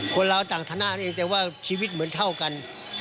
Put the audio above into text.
คนเราต่างธนานี่เองแต่ว่าชีวิตเหมือนเท่ากัน